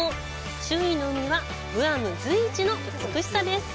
周囲の海はグアム随一の美しさです。